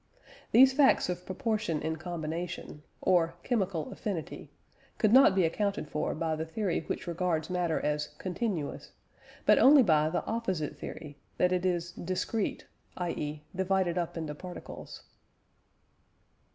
These facts of proportion in combination, or "chemical affinity," could not be accounted for by the theory which regards matter as "continuous," but only by the opposite theory that it is "discrete" (i.e. divided up into particles).